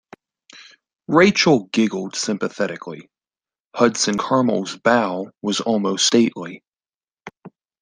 Rachael giggled sympathetically; Hudson Caramel's bow was almost stately.